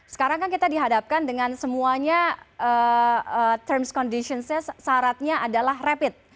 sekarang kan kita dihadapkan dengan semuanya terms conditionsnya syaratnya adalah rapid